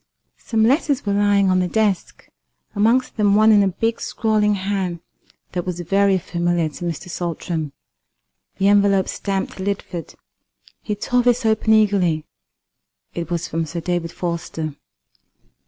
Some letters were lying on the desk, amongst them one in a big scrawling hand that was very familiar to Mr. Saltram, the envelope stamped "Lidford." He tore this open eagerly. It was from Sir David Forster.